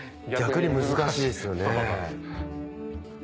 逆に難しいっすよね。